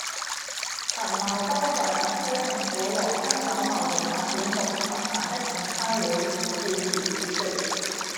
陳茂波在特區政府和香港貿易發展局合辦的午餐會致辭時說